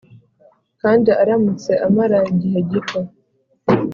kandi aramutse amara igihe gito.